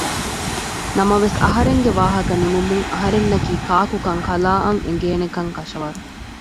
ނަމަވެސް އަހަރެންގެ ވާހަކަ ނިމުމުން އަހަރެންނަކީ ކާކު ކަން ކަލާއަށް އެނގޭނެކަން ކަށަވަރު